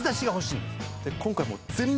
今回もう。